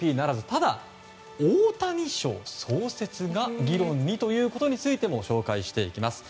ただ、オオタニ賞創設が議論にということについても紹介していきます。